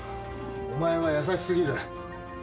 お前は優し過ぎる。